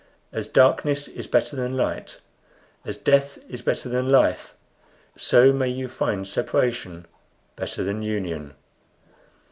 As darkness is better than light, as death is better than life, so may you find separation better than union."